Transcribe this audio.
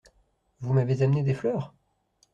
Vous m’avez amené des fleurs ?